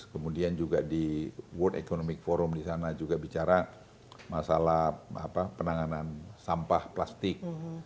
kemudian juga di world economic forum di sana juga bicara masalah penanganan sampah plastik